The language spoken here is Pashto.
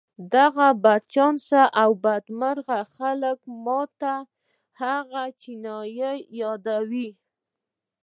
دغه بدچانسه او بدمرغه خلک ما ته هغه چينايي را يادوي.